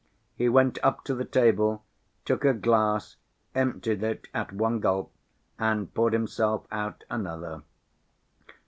He went up to the table, took a glass, emptied it at one gulp and poured himself out another.